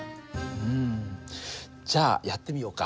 うんじゃあやってみようか。